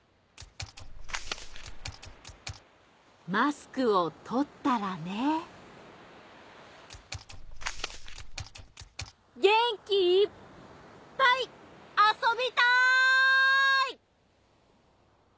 マスクをとったらねげんきいっぱいあそびたーい！